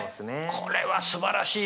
これはすばらしい。